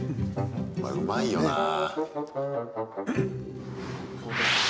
まあ、うまいよなぁ。